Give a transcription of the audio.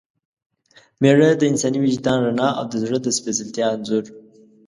میره – د انساني وجدان رڼا او د زړه د سپېڅلتیا انځور